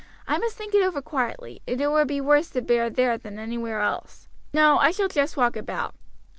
"I must think it over quietly, and it would be worse to bear there than anywhere else. No, I shall just walk about."